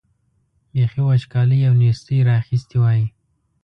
بېخي وچکالۍ او نېستۍ را اخیستي وای.